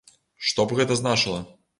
Што б гэта значыла?